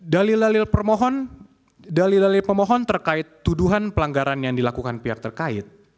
dalil dalil pemohon terkait tuduhan pelanggaran yang dilakukan pihak terkait